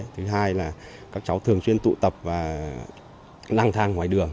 thứ hai là các cháu thường chuyên tụ tập và năng thang ngoài đường